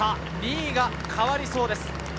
２位が変わりそうです。